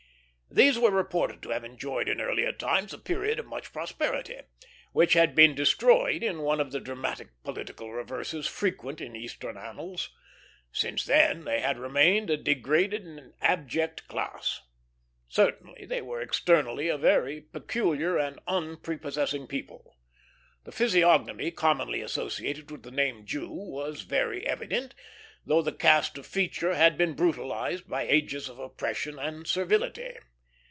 These were reported to have enjoyed in earlier times a period of much prosperity, which had been destroyed in one of the dramatic political reverses frequent in Eastern annals. Since then they had remained a degraded and abject class. Certainly, they were externally a very peculiar and unprepossessing people. The physiognomy commonly associated with the name Jew was very evident, though the cast of feature had been brutalized by ages of oppression and servility.